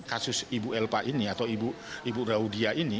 kasus ibu elpa ini atau ibu raudia ini